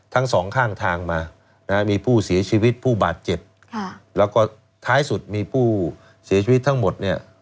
ทั้งสองข้างทางมามีผู้เสียชีวิตผู้บาดเจ็บแล้วก็ท้ายสุดมีผู้เสียชีวิตทั้งหมดเนี่ย